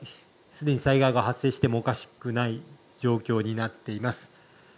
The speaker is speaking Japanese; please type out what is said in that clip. すでに災害が発生してもおかしくない状況になっています。